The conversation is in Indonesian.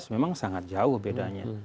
memang sangat jauh bedanya